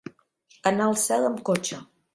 Anar al cel amb cotxe.